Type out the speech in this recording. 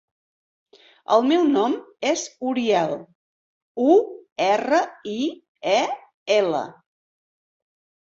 El meu nom és Uriel: u, erra, i, e, ela.